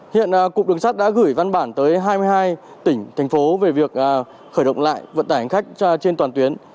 hiện cục đường sát đã gửi văn bản tới hai mươi hai tỉnh thành phố về việc khởi động lại vận tải hành khách trên toàn tuyến